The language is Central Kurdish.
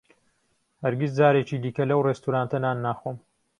ھەرگیز جارێکی دیکە لەو ڕێستورانتە نان ناخۆم.